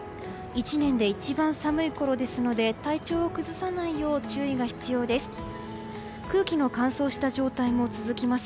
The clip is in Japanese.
１年で一番寒いころですので体調を崩さないよう注意が必要です。